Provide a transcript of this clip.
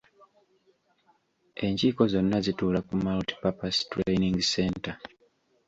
Enkiiko zonna zituula ku multi-purpose training center.